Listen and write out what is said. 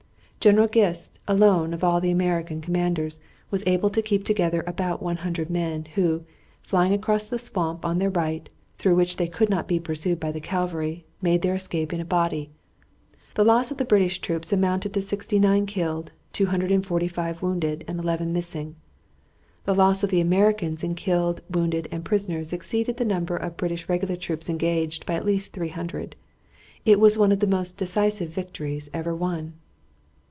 General Gist, alone of all the American commanders, was able to keep together about 100 men, who, flying across the swamp on their right, through which they could not be pursued by the cavalry, made their escape in a body. The loss of the British troops amounted to 69 killed, 245 wounded, and 11 missing. The loss of the Americans in killed, wounded, and prisoners exceeded the number of British regular troops engaged by at least 300. It was one of the most decisive victories ever won.